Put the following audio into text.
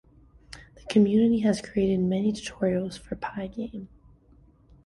The community has created many tutorials for Pygame.